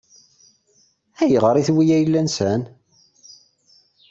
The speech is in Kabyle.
Ayɣer i tewwi ayla-nsen?